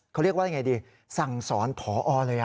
เค้าเรียกว่าจะยังไงดีสั่งสอนผอเลยห้ะ